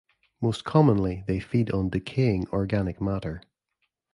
Most commonly, they feed on decaying organic matter.